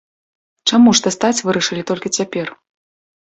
Чаму ж дастаць вырашылі толькі цяпер?